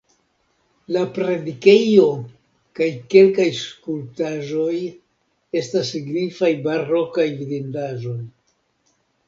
La predikejo kaj kelkaj skulptaĵoj estas signifaj barokaj vidindaĵoj.